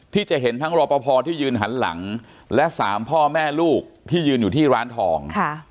ที่จะเห็นทั้งรอปภที่ยืนหันหลังและ๓พ่อแม่ลูกที่ยืนอยู่ที่ร้านทอง